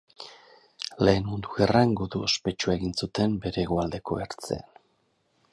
Lehen Mundu Gerran gudu ospetsua egin zuten bere hegoaldeko ertzean.